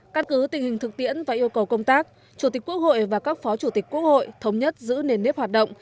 căn cứ tình hình thực tiễn và yêu cầu công tác chủ tịch quốc hội và các phó chủ tịch quốc hội thống nhất giữ nền nếp hoạt động